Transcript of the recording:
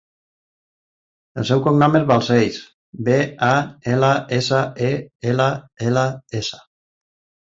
El seu cognom és Balsells: be, a, ela, essa, e, ela, ela, essa.